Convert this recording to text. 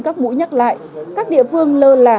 các mũi nhắc lại các địa phương lơ là